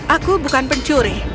aku bukan pencuri